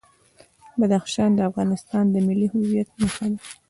بدخشان د افغانستان د ملي هویت نښه ده.